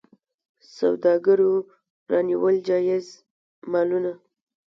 سوداګرو رانیول جایز مالونه.